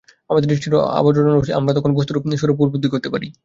আমাদের দৃষ্টির আবরণ সরিয়া যায়, আমরা তখন বস্তুর স্বরূপ উপলব্ধি করিতে পারি।